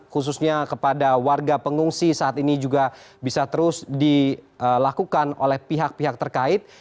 khususnya kepada warga pengungsi saat ini juga bisa terus dilakukan oleh pihak pihak terkait